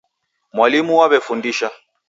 Mwalimu waw'efundisha.